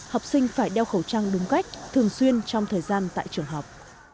học sinh phải đeo khẩu trang đúng cách thường xuyên trong thời gian tại trường học